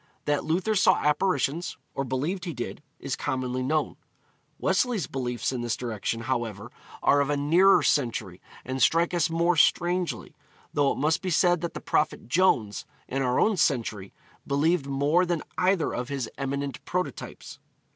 That Luther saw apparitions, or believed he did, is commonly known. Wesley's beliefs in this direction, however, are of a nearer century, and strike us more strangely; though it must be said that the Prophet Jones, in our own century, believed more than either of his eminent prototypes.